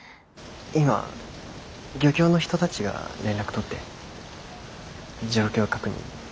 今漁協の人たちが連絡取って状況確認してるから。